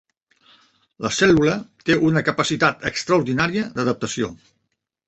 La cèl·lula té una capacitat extraordinària d'adaptació.